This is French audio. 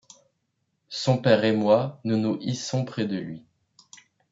Son père et moi, nous nous hissons près de lui.